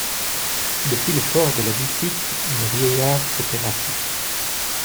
Depuis le fort de la dispute, le vieillard s'était rassis.